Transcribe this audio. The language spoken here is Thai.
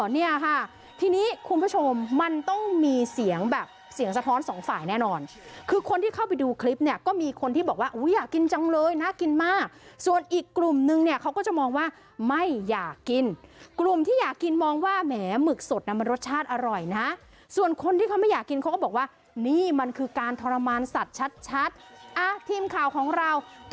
เนี่ยค่ะทีนี้คุณผู้ชมมันต้องมีเสียงแบบเสียงสะท้อนสองฝ่ายแน่นอนคือคนที่เข้าไปดูคลิปเนี่ยก็มีคนที่บอกว่าอุ้ยอยากกินจังเลยน่ากินมากส่วนอีกกลุ่มนึงเนี่ยเขาก็จะมองว่าไม่อยากกินกลุ่มที่อยากกินมองว่าแหมหมึกสดน่ะมันรสชาติอร่อยนะส่วนคนที่เขาไม่อยากกินเขาก็บอกว่านี่มันคือการทรมานสัตว์ชัดอ่ะทีมข่าวของเราก็